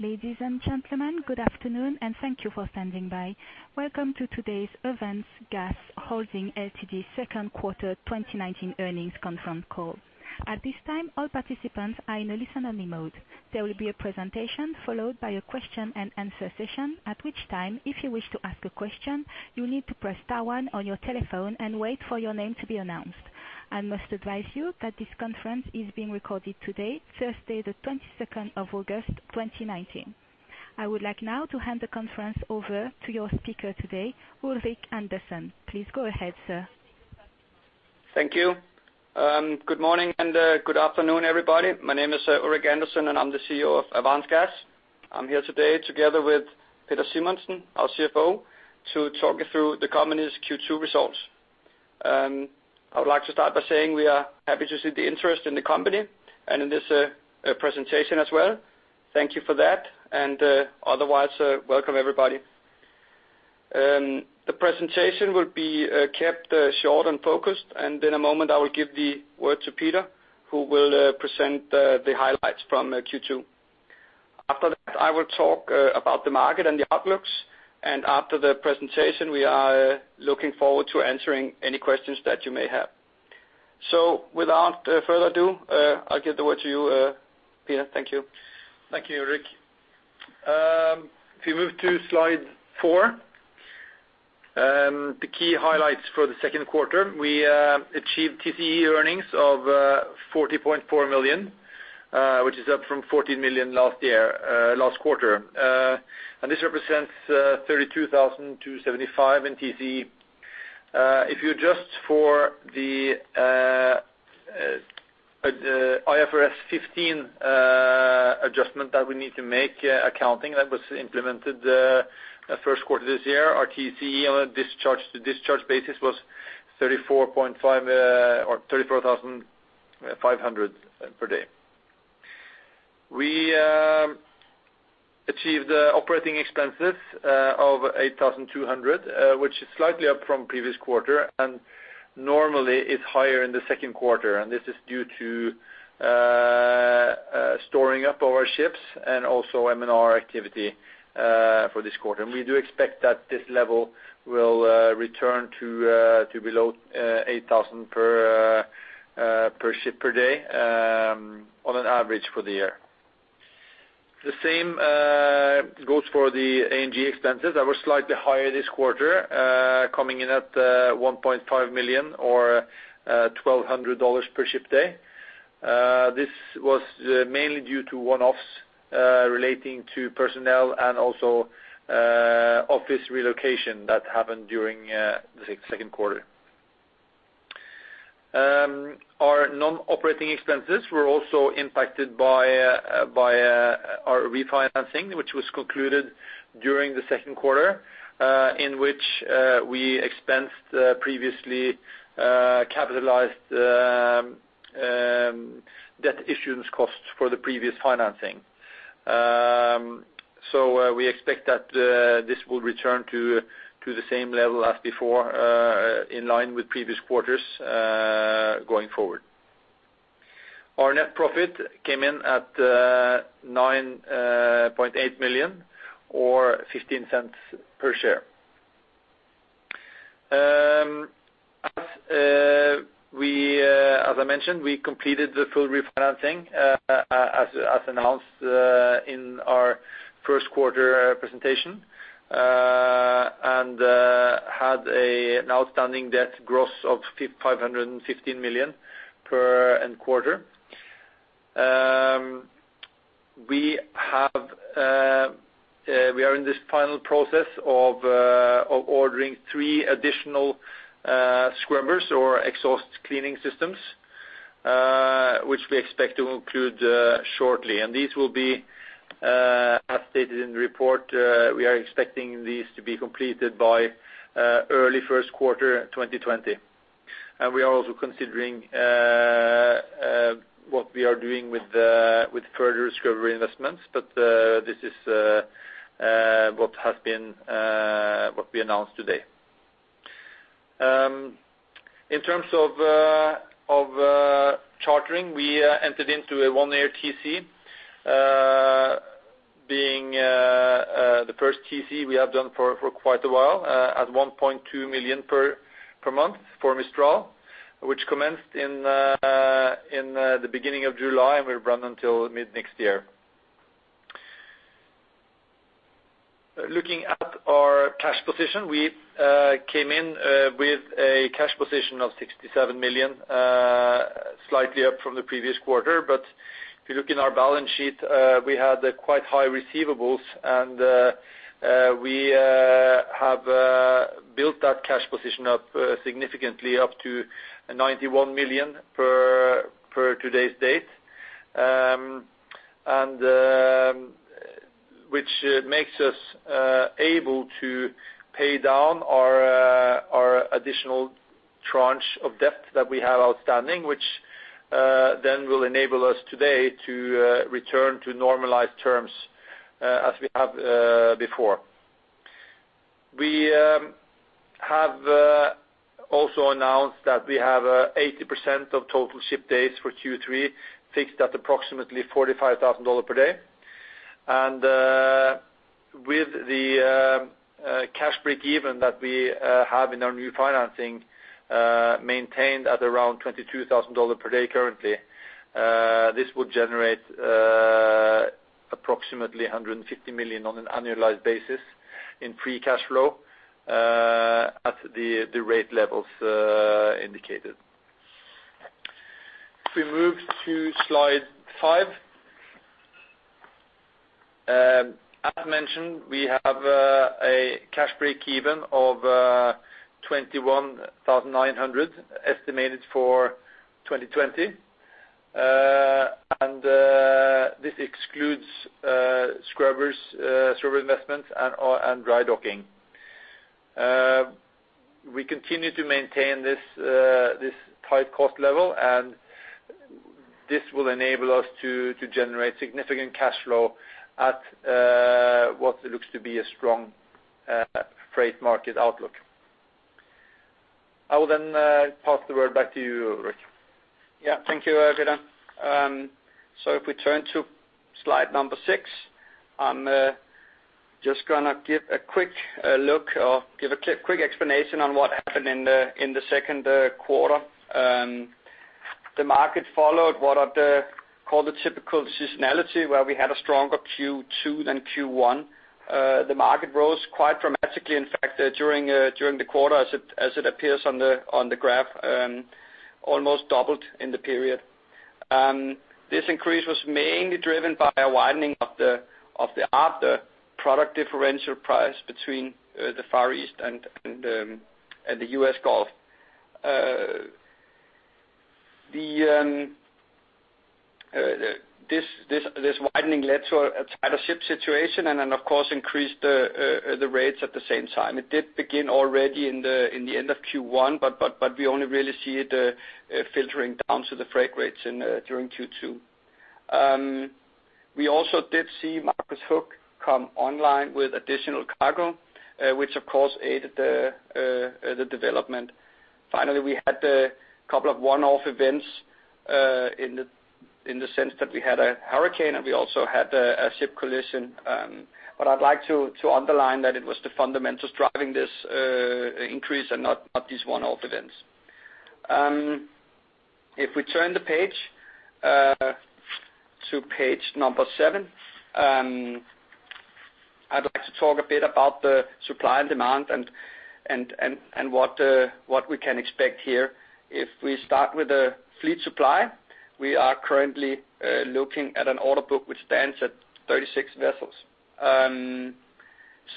Ladies and gentlemen, good afternoon and thank you for standing by. Welcome to today's Avance Gas Holding Ltd's second quarter 2019 earnings conference call. At this time, all participants are in a listen-only mode. There will be a presentation followed by a question and answer session, at which time, if you wish to ask a question, you need to press star one on your telephone and wait for your name to be announced. I must advise you that this conference is being recorded today, Thursday the 22nd of August 2019. I would like now to hand the conference over to your speaker today, Ulrik Andersen. Please go ahead, sir. Thank you. Good morning and good afternoon, everybody. My name is Ulrik Andersen, and I'm the CEO of Avance Gas. I am here today together with Peder Simonsen, our CFO, to talk you through the company’s Q2 results. I would like to start by saying we are happy to see the interest in the company and in this presentation as well. Thank you for that. Otherwise, welcome everybody. The presentation will be kept short and focused, and in a moment, I will give the word to Peder, who will present the highlights from Q2. After that, I will talk about the market and the outlooks, and after the presentation, we are looking forward to answering any questions that you may have. Without further ado, I will give the word to you, Peder. Thank you. Thank you, Ulrik. If you move to slide four, the key highlights for the second quarter, we achieved TCE earnings of $40.4 million, which is up from $14 million last quarter. This represents $32,275 in TCE. If you adjust for the IFRS 15 adjustment that we need to make, accounting that was implemented first quarter this year, our TCE on a discharge-to-discharge basis was $34,500 per day. We achieved operating expenses of $8,200, which is slightly up from previous quarter and normally is higher in the second quarter, this is due to storing up our ships and also M&R activity for this quarter. We do expect that this level will return to below $8,000 per ship per day on an average for the year. The same goes for the A&G expenses that were slightly higher this quarter, coming in at $1.5 million or $1,200 per ship day. This was mainly due to one-offs relating to personnel and also office relocation that happened during the second quarter. Our non-operating expenses were also impacted by our refinancing, which was concluded during the second quarter, in which we expensed previously capitalized debt issuance costs for the previous financing. We expect that this will return to the same level as before, in line with previous quarters, going forward. Our net profit came in at $9.8 million or $0.15 per share. As I mentioned, we completed the full refinancing, as announced in our first quarter presentation, and had an outstanding debt gross of $515 million per end quarter. We are in this final process of ordering three additional scrubbers or exhaust cleaning systems, which we expect to conclude shortly. These will be, as stated in the report, we are expecting these to be completed by early first quarter 2020. We are also considering what we are doing with further scrubber investments, but this is what we announced today. In terms of chartering, we entered into a one-year TC, being the first TC we have done for quite a while at $1.2 million per month for Mistral, which commenced in the beginning of July and will run until mid-next year. Looking at our cash position, we came in with a cash position of $67 million, slightly up from the previous quarter. If you look in our balance sheet, we had quite high receivables, and we have built that cash position up significantly up to $91 million per today's date which makes us able to pay down our additional tranche of debt that we have outstanding, which then will enable us today to return to normalized terms as we have before. We have also announced that we have 80% of total ship days for Q3 fixed at approximately $45,000 per day. With the cash breakeven that we have in our new financing maintained at around $22,000 per day currently, this would generate approximately $150 million on an annualized basis in free cash flow at the rate levels indicated. If we move to slide five. As mentioned, we have a cash breakeven of $21,900 estimated for 2020. This excludes scrubber investments and dry docking. We continue to maintain this tight cost level, and this will enable us to generate significant cash flow at what looks to be a strong freight market outlook. I will then pass the word back to you, Ulrik. Thank you, Peder. If we turn to slide number six, I am just going to give a quick look or give a quick explanation on what happened in the second quarter. The market followed what are called the typical seasonality, where we had a stronger Q2 than Q1. The market rose quite dramatically, in fact, during the quarter, as it appears on the graph, almost doubled in the period. This increase was mainly driven by a widening of the arbitrage product differential price between the Far East and the U.S. Gulf. This widening led to a tighter ship situation and then of course increased the rates at the same time. It did begin already in the end of Q1, we only really see it filtering down to the freight rates during Q2. We also did see Marcus Hook come online with additional cargo, which of course aided the development. We had a couple of one-off events in the sense that we had a hurricane, and we also had a ship collision. I'd like to underline that it was the fundamentals driving this increase and not these one-off events. If we turn the page to page number seven. I'd like to talk a bit about the supply and demand and what we can expect here. If we start with the fleet supply, we are currently looking at an order book which stands at 36 vessels.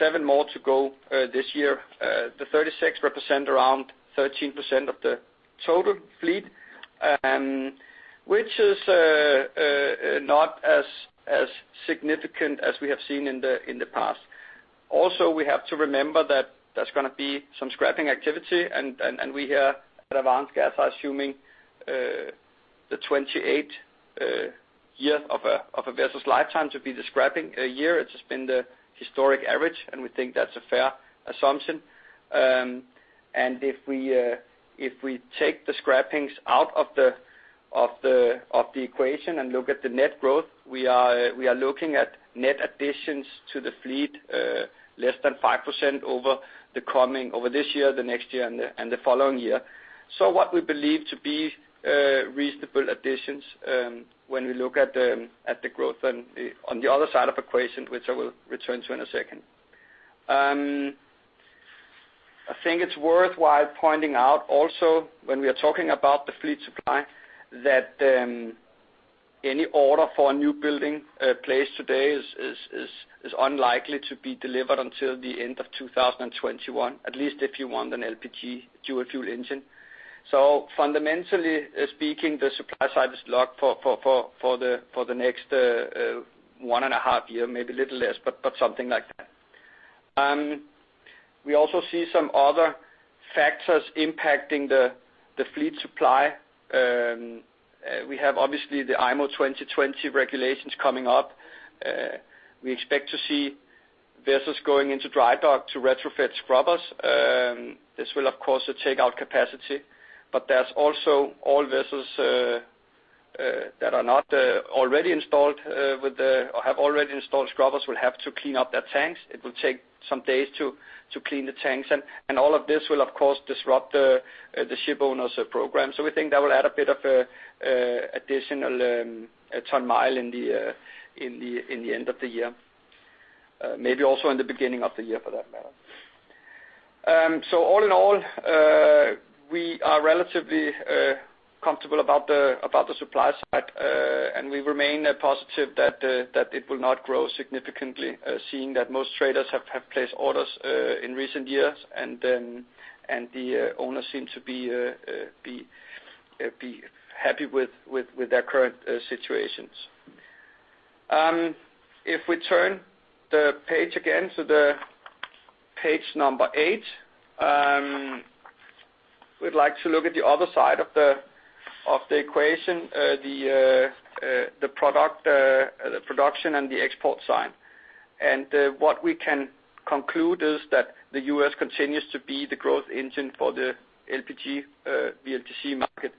Seven more to go this year. The 36 represent around 13% of the total fleet, which is not as significant as we have seen in the past. We have to remember that there's going to be some scrapping activity, and we here at Avance Gas are assuming the 28th year of a vessel's lifetime to be the scrapping year. It's been the historic average, and we think that's a fair assumption. If we take the scrappings out of the equation and look at the net growth, we are looking at net additions to the fleet less than 5% over this year, the next year, and the following year. What we believe to be reasonable additions when we look at the growth on the other side of equation, which I will return to in a second. I think it's worthwhile pointing out also when we are talking about the fleet supply, that any order for a new building placed today is unlikely to be delivered until the end of 2021, at least if you want an LPG dual-fuel engine. Fundamentally speaking, the supply side is locked for the next one and a half year, maybe a little less, but something like that. We also see some other factors impacting the fleet supply. We have, obviously, the IMO 2020 regulations coming up. We expect to see vessels going into dry dock to retrofit scrubbers. This will, of course, take out capacity, but that's also all vessels that are not already installed or have already installed scrubbers will have to clean up their tanks. It will take some days to clean the tanks. All of this will, of course, disrupt the shipowners' program. We think that will add a bit of additional ton-mile in the end of the year. Maybe also in the beginning of the year, for that matter. All in all, we are relatively comfortable about the supply side, and we remain positive that it will not grow significantly, seeing that most traders have placed orders in recent years, and the owners seem to be happy with their current situations. If we turn the page again to the page number eight. We'd like to look at the other side of the equation, the production and the export side. What we can conclude is that the U.S. continues to be the growth engine for the LPG, VLGC market.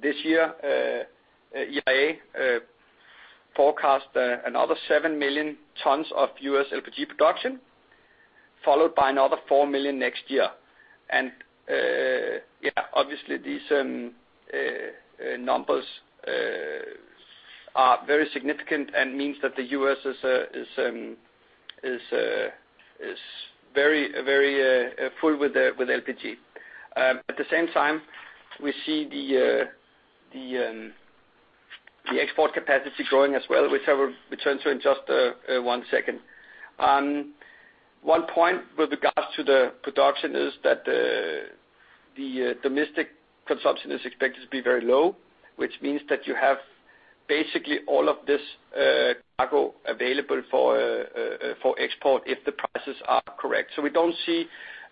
This year, EIA forecast another 7 million tons of U.S. LPG production, followed by another 4 million next year. Yeah, obviously these numbers are very significant and means that the U.S. is very full with LPG. At the same time, we see the export capacity growing as well, which I will return to in just one second. One point with regards to the production is that the domestic consumption is expected to be very low, which means that you have basically all of this cargo available for export if the prices are correct. We don't see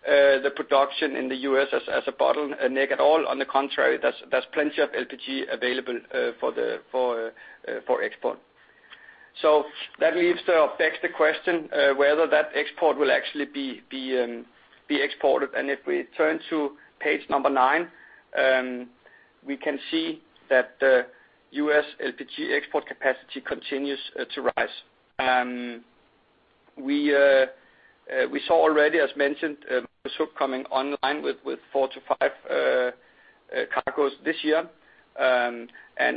the production in the U.S. as a bottleneck at all. On the contrary, there's plenty of LPG available for export. That leaves to affect the question whether that export will actually be exported. If we turn to page number nine, we can see that the U.S. LPG export capacity continues to rise. We saw already, as mentioned, this Hook coming online with four to five cargoes this year.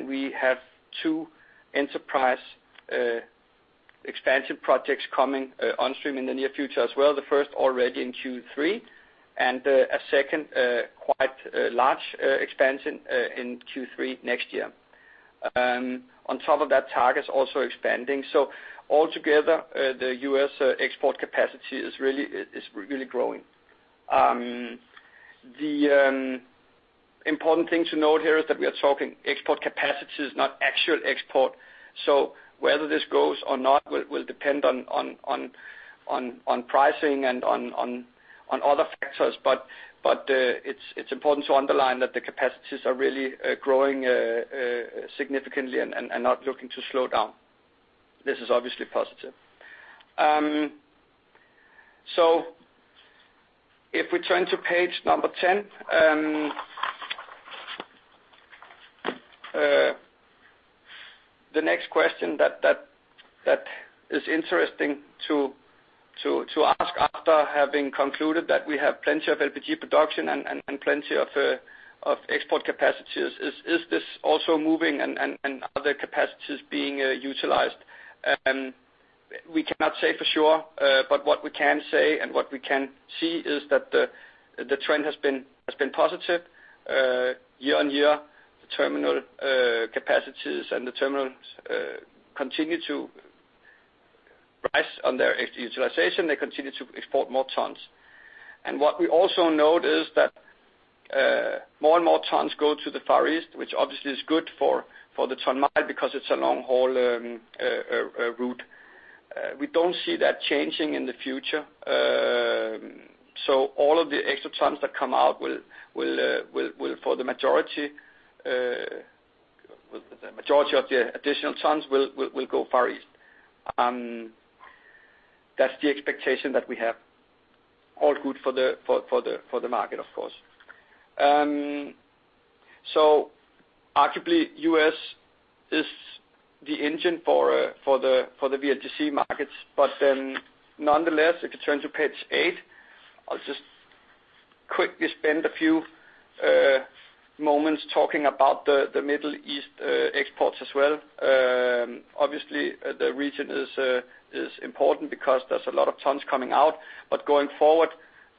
We have two Enterprise expansion projects coming onstream in the near future as well. The first already in Q3, and a second, quite large expansion, in Q3 next year. On top of that AltaGas's also expanding. Altogether, the U.S. export capacity is really growing. The important thing to note here is that we are talking export capacities, not actual export. Whether this grows or not will depend on pricing and on other factors. It's important to underline that the capacities are really growing significantly and are not looking to slow down. This is obviously positive. If we turn to page number 10. The next question that is interesting to ask after having concluded that we have plenty of LPG production and plenty of export capacities is this also moving and are the capacities being utilized? We cannot say for sure, but what we can say and what we can see is that the trend has been positive year on year. The terminal capacities and the terminals continue to rise on their utilization. They continue to export more tons. What we also note is that more and more tons go to the Far East, which obviously is good for the ton-mile because it's a long-haul route. We don't see that changing in the future. All of the extra tons that come out will, for the majority of the additional tons, will go Far East. That's the expectation that we have. All good for the market, of course. Arguably, U.S. is the engine for the VLGC markets. Nonetheless, if you turn to page eight, I'll just quickly spend a few moments talking about the Middle East exports as well. Obviously, the region is important because there's a lot of tons coming out. Going forward,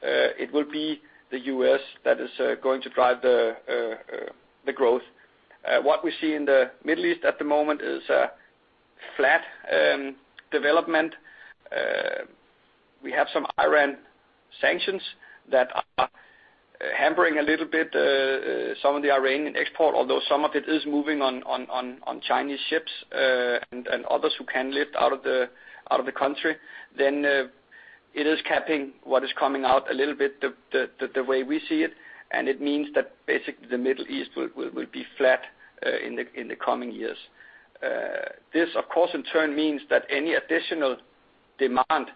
it will be the U.S. that is going to drive the growth. What we see in the Middle East at the moment is a flat development. We have some Iran sanctions that are hampering a little bit some of the Iranian export, although some of it is moving on Chinese ships, and others who can lift out of the country. It is capping what is coming out a little bit, the way we see it, and it means that basically the Middle East will be flat in the coming years. This, of course, in turn means that any additional demand,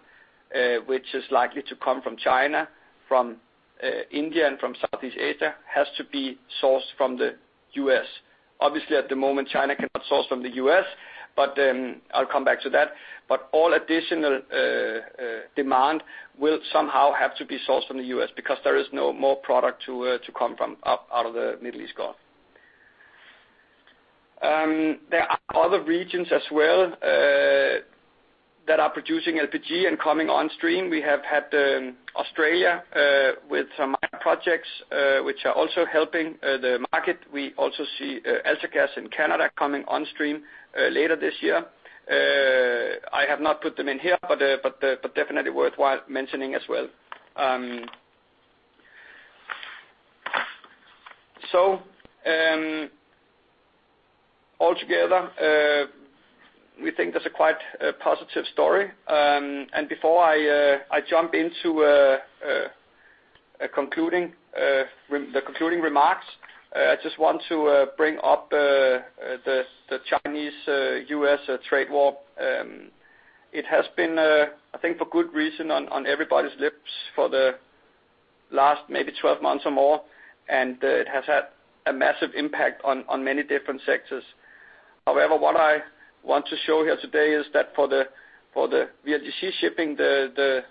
which is likely to come from China, from India, and from Southeast Asia, has to be sourced from the U.S. Obviously, at the moment, China cannot source from the U.S., but I'll come back to that. All additional demand will somehow have to be sourced from the U.S. because there is no more product to come from up out of the Middle East Gulf. There are other regions as well that are producing LPG and coming onstream. We have had Australia with some projects which are also helping the market. We also see AltaGas in Canada coming onstream later this year. I have not put them in here, but definitely worthwhile mentioning as well. Altogether, we think that's a quite positive story. Before I jump into the concluding remarks, I just want to bring up the Chinese-U.S. trade war. It has been, I think for good reason, on everybody's lips for the last maybe 12 months or more, and it has had a massive impact on many different sectors. However, what I want to show here today is that for the VLGC shipping, the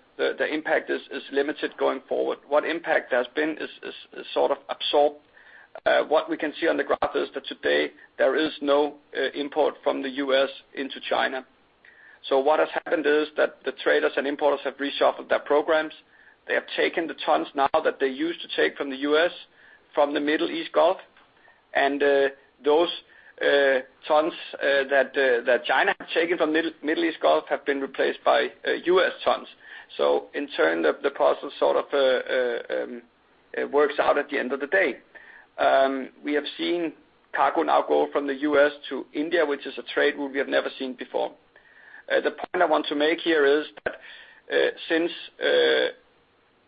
impact is limited going forward. What impact has been is sort of absorbed. What we can see on the graph is that today there is no import from the U.S. into China. What has happened is that the traders and importers have reshuffled their programs. They have taken the tons now that they used to take from the U.S., from the Middle East Gulf. Those tons that China have taken from Middle East Gulf have been replaced by U.S. tons. In turn, the process sort of works out at the end of the day. We have seen cargo now go from the U.S. to India, which is a trade route we have never seen before. The point I want to make here is that, since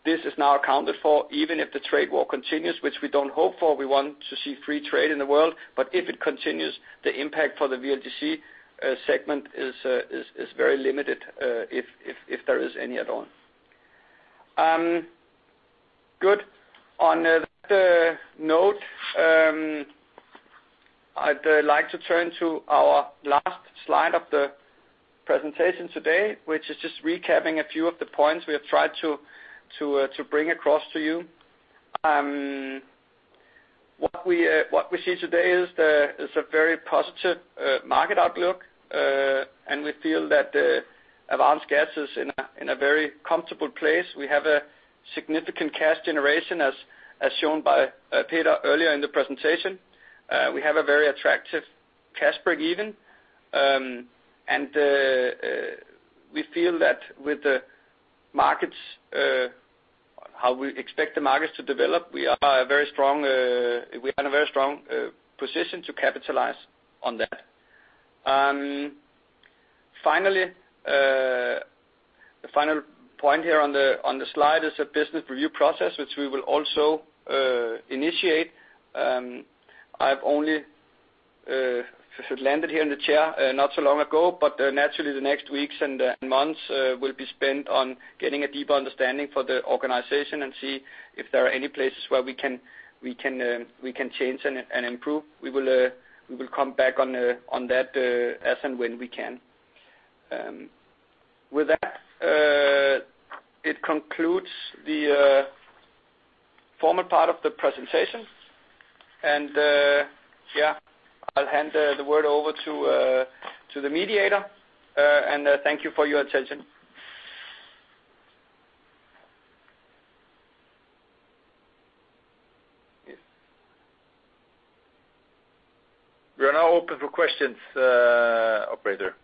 this is now accounted for, even if the trade war continues, which we don't hope for, we want to see free trade in the world, if it continues, the impact for the VLGC segment is very limited, if there is any at all. Good. On that note, I'd like to turn to our last slide of the presentation today, which is just recapping a few of the points we have tried to bring across to you. What we see today is a very positive market outlook, we feel that Avance Gas is in a very comfortable place. We have a significant cash generation as shown by Peder earlier in the presentation. We have a very attractive cash breakeven. We feel that with how we expect the markets to develop, we are in a very strong position to capitalize on that. Finally, the final point here on the slide is a business review process, which we will also initiate. I've only landed here in the chair not so long ago, but naturally, the next weeks and months will be spent on getting a deeper understanding for the organization and see if there are any places where we can change and improve. We will come back on that as and when we can. With that, it concludes the formal part of the presentation. Yeah, I'll hand the word over to the mediator, and thank you for your attention. Yes. We are now open for questions, operator.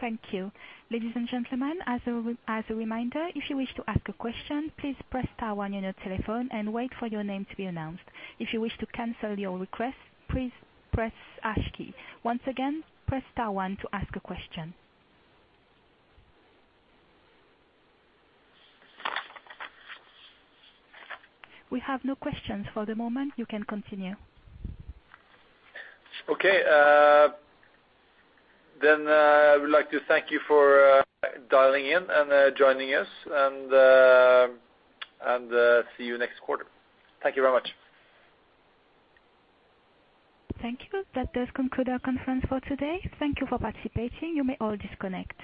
Thank you. Ladies and gentlemen, as a reminder, if you wish to ask a question, please press star one on your telephone and wait for your name to be announced. If you wish to cancel your request, please press hash key. Once again, press star one to ask a question. We have no questions for the moment. You can continue. Okay. I would like to thank you for dialing in and joining us and see you next quarter. Thank you very much. Thank you. That does conclude our conference for today. Thank you for participating. You may all disconnect.